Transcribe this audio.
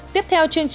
tiếp theo chương trình